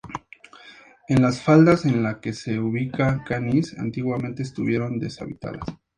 En las faldas en la que se ubica Canis, antiguamente estuvieron deshabitadas.